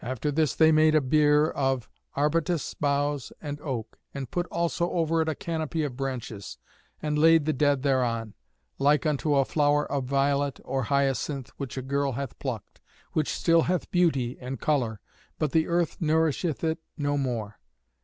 After this they made a bier of arbutus boughs and oak, and put also over it a canopy of branches, and laid the dead thereon, like unto a flower of violet or hyacinth which a girl hath plucked, which still hath beauty and colour, but the earth nourisheth it no more.